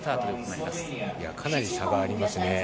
かなり差がありますね。